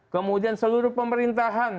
kemudian seluruh pemerintahan